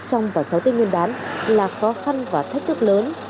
trong tỏa sáu tiết nguyên đán là khó khăn và thách thức lớn